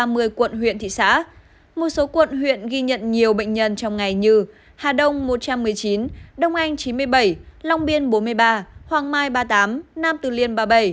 một số quận huyện ghi nhận nhiều bệnh nhân trong ngày như hà đông một trăm một mươi chín đông anh chín mươi bảy long biên bốn mươi ba hoàng mai ba mươi tám nam từ liên ba mươi bảy